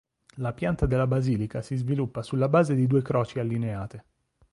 La pianta della basilica si sviluppa sulla base di due croci allineate.